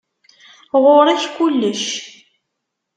Ɣur-k kullec.